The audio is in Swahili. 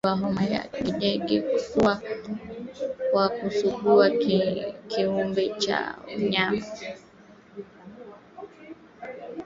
Watu wanaweza kuugua homa ya bonde la ufa kwa kugusa kiumbe cha mnyama kilichotoka